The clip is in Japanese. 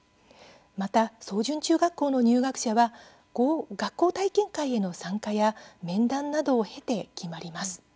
また、草潤中学校の入学者は学校体験会への参加や面談などを経て決まります。